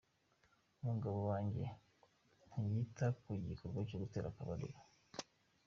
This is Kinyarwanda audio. Umugabo wanjye ntiyita ku gikorwa cyo gutera akabariro.